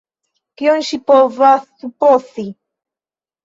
Kion ŝi povas supozi?